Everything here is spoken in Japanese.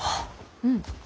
うん。